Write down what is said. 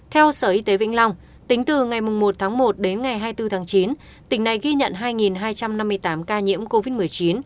theo sở y tế vĩnh long tính từ ngày một tháng một đến ngày hai mươi bốn tháng chín tỉnh này ghi nhận hai hai trăm năm mươi tám ca nhiễm covid một mươi chín